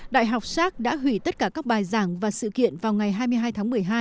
đại học sars đã hủy tất cả các bài giảng và sự kiện vào ngày hai mươi hai tháng một mươi hai